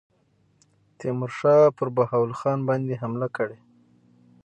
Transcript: تیمورشاه پر بهاول خان باندي حمله کړې.